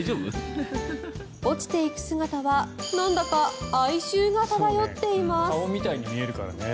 落ちていく姿はなんだか哀愁が漂っています。